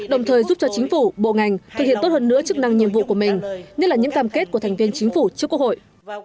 đồng thời giúp cho chính phủ bộ ngành thực hiện tốt hơn nữa chức năng nhiệm vụ của mình như là những cam kết của thành viên chính phủ trước quốc hội